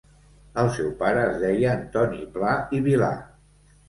El seu pare es deia Antoni Pla i Vilar.